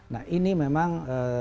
nah ini memang